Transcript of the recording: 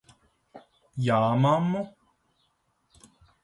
Jā, mammu?